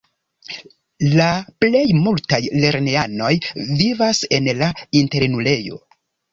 La plej multaj lernejanoj vivas en la internulejo.